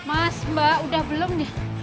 mas mbak udah belum nih